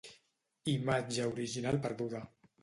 Imatge original perduda.